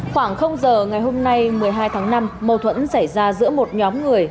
khoảng giờ ngày hôm nay một mươi hai tháng năm mâu thuẫn xảy ra giữa một nhóm người